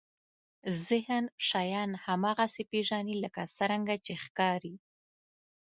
ذهن شیان هماغسې پېژني لکه څرنګه چې ښکاري.